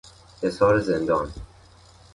حصار زندان